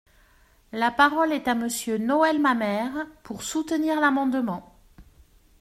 La parole est à Monsieur Noël Mamère, pour soutenir l’amendement.